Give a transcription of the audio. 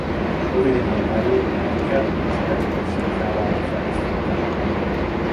Rövid időn belül a Hackert München legnagyobb sörgyárává fejlesztette.